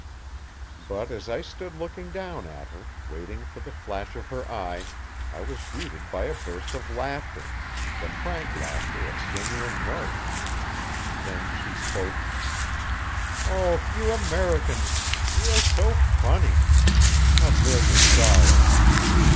But as I stood looking down at her, waiting for the flash of her eye, I was greeted by a burst of laughter the frank laughter of genuine mirth. Then she spoke: "Oh, you Americans! You are so funny! A million dollars!